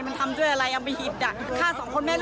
มันทำด้วยอะไร